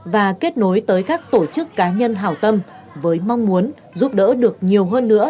và kết nối tới các tổ chức cá nhân hảo tâm với mong muốn giúp đỡ được nhiều hơn nữa